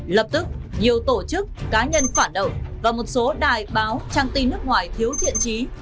lập tức nhiều tổ chức cá nhân phản động và một số đài báo trang tin nước ngoài thiếu thiện trí